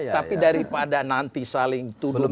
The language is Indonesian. tapi daripada nanti saling tuduh